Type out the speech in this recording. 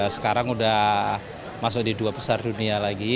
sekarang sudah masuk di dua besar dunia lagi